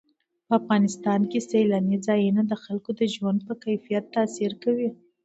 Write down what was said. په افغانستان کې سیلانی ځایونه د خلکو د ژوند په کیفیت تاثیر کوي.